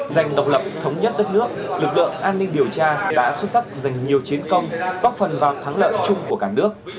dành độc lập thống nhất đất nước lực lượng an ninh điều tra đã xuất sắc dành nhiều chiến công bóc phần vào thắng lợi chung của cả nước